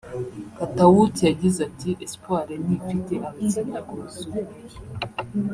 Kataut yagize ati “ Espoir ntifite abakinnyi buzuye